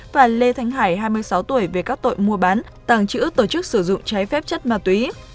và lê thanh hải hai mươi sáu tuổi về các tội mua bán tàng trữ tổ chức sử dụng trái phép chất ma túy